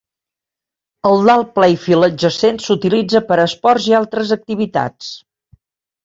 El Dahl Playfield adjacent s"utilitza per a esports i altres activitats.